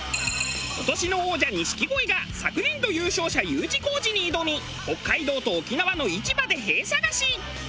今年の王者錦鯉が昨年度優勝者Ｕ字工事に挑み北海道と沖縄の市場でへぇ探し！